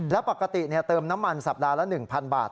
และปกติเติมน้ำมันสัปดาห์ละ๑๐๐บาท